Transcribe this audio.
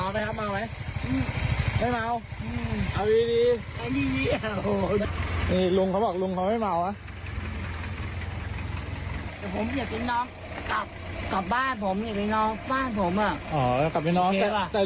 ผมจะไปบ้านนะผมอยากได้นอนแล้ว